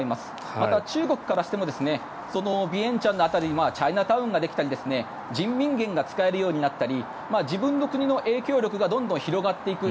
また、中国からしてもそのビエンチャンの辺りにチャイナタウンができたり人民元が使えるようになったり自分の国の影響力がどんどん広がっていく。